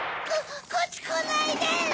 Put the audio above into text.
こっちこないで！